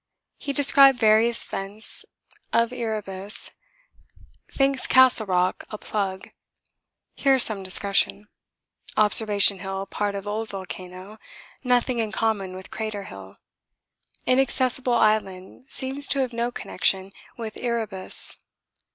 He described various vents of Erebus, thinks Castle Rock a 'plug' here some discussion Observation Hill part of old volcano, nothing in common with Crater Hill. Inaccessible Island seems to have no connection with Erebus.